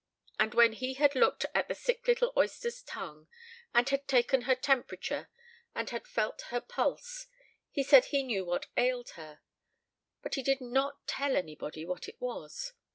And when he had looked at the sick little oyster's tongue, and had taken her temperature, and had felt her pulse, he said he knew what ailed her; but he did not tell anybody what it was.